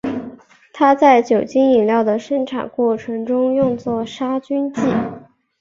它在酒精饮料的生产过程中用作杀菌剂。